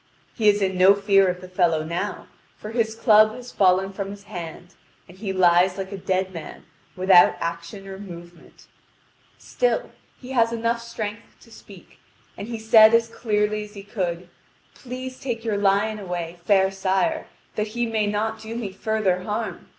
He is in no fear of the fellow now, for his club has fallen from his hand, and he lies like a dead man without action or movement; still he has enough strength to speak, and he said as clearly as he could: "Please take your lion away, fair sire, that he may not do me further harm.